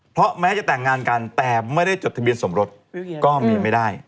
เพราะแม้จะแต่งงานกันแต่ไม่ได้จดทะเบียนสมรสก็มีไม่ได้